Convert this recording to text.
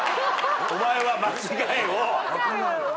お前は間違いを。